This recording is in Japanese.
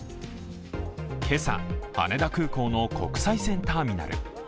今朝、羽田空港の国際線ターミナル。